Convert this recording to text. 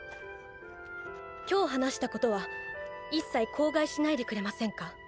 今日話したことは一切口外しないでくれませんか。